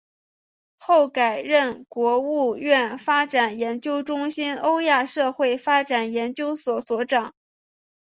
后改任国务院发展研究中心欧亚社会发展研究所所长。